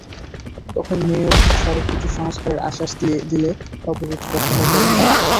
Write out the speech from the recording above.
তখন মেয়র সড়ক দুটির সংস্কারের আশ্বাস দিলে অবরোধ প্রত্যাহার করেন এলাকাবাসী।